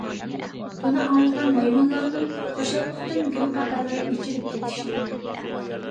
بۇنى ئاڭلىغان مايمۇنلارنىڭ خۇشاللىقتىن گۈلقەقەلىرى ئېچىلىپ كېتىشتى.